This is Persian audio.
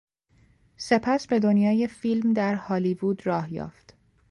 سپس به دنیای فیلم در هالیوود راه یافت.